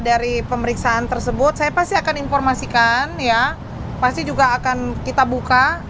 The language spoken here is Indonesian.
dari pemeriksaan tersebut saya pasti akan informasikan ya pasti juga akan kita buka